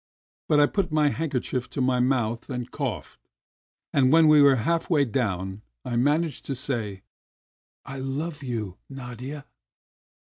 But I put my handkerchief to my mouth and coughed, and when we were half way down I managed to say: "I love you, Nadia!"